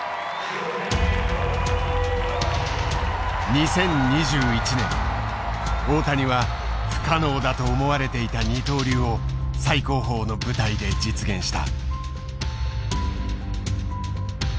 ２０２１年大谷は不可能だと思われていた二刀流を最高峰の舞台で実現した。